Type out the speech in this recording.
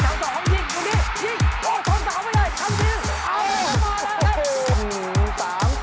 ไม่ต้องมีก็ได้ครับเหมือนกับแพ้ครับ